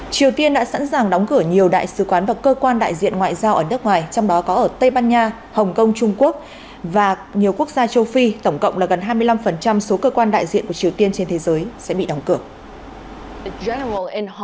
triều tiên đã sẵn sàng đóng cửa nhiều đại sứ quán và cơ quan đại diện ngoại giao ở nước ngoài trong đó có ở tây ban nha hồng kông trung quốc và nhiều quốc gia châu phi tổng cộng là gần hai mươi năm số cơ quan đại diện của triều tiên trên thế giới sẽ bị đóng cửa